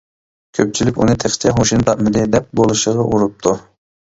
كۆپچىلىك ئۇنى تېخىچە ھوشىنى تاپمىدى دەپ، بولۇشىغا ئۇرۇپتۇ.